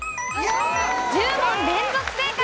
１０問連続正解！